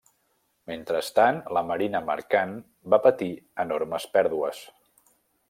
Mentrestant, la marina mercant va patir enormes pèrdues.